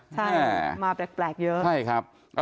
ใช่มาแปลกเยอะ